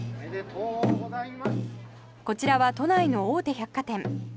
こちらは都内の大手百貨店。